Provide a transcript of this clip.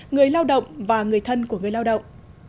người lao động và người thân của người lao động